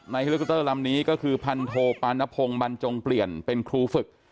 เฮลิคอปเตอร์ลำนี้ก็คือพันโทปานพงศ์บรรจงเปลี่ยนเป็นครูฝึก